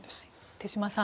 手嶋さん